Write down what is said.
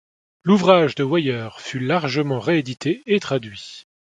L'ouvrage de Weyer fut largement réédité et traduit.